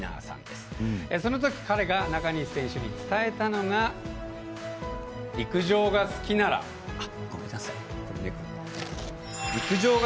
そのとき彼が中西選手に伝えたのが陸上が好きならやり続ければいい。